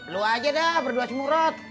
lu aja dah berdua semurot